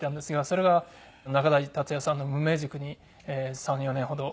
それが仲代達矢さんの無名塾に３４年ほど。